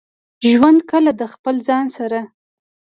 ژوند کله د خپل ځان سره.